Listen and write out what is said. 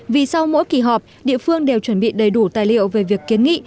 vì sau mỗi kỳ họp địa phương đều chuẩn bị đầy đủ tài liệu về việc kiến nghị